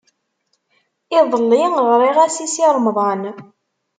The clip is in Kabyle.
Iḍelli ɣriɣ-as i Si Remḍan.